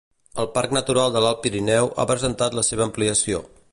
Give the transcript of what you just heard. El Parc Natural de l'Alt Pirineu ha presentat la seva ampliació.